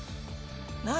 何？